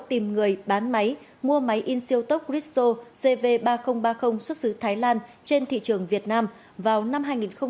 tìm người bán máy mua máy in siêu tốc ritso cv ba nghìn ba mươi xuất xứ thái lan trên thị trường việt nam vào năm hai nghìn một mươi bảy